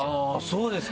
そうです！